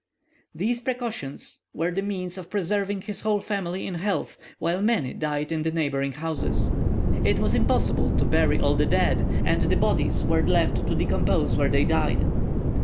These precautions were the means of preserving his whole family in health, while many died in the neighbouring houses. It was impossible to bury all the dead, and the bodies were left to decompose where they died.